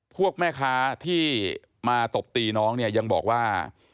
พวกแม่ค้าที่มาตบตีน้องเนี่ยยังบอกว่า